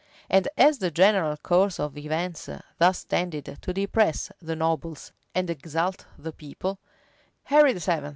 And as the general course of events thus tended to depress the nobles and exalt the people, Henry VII.